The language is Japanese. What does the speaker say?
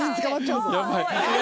やばい！